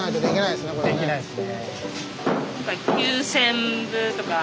できないですね。